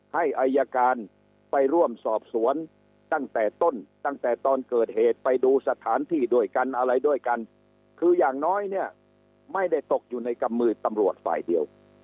ให้อายการไปร่วมสอบสวนตั้งแต่ต้นตั้งแต่ตอนเกิดเหตุไปดูสถานที่ด้วยกันอะไรด้วยกันคืออย่างน้อยเนี่ยไม่ได้ตกอยู่ในกำมือตำรวจฝ่ายเดียว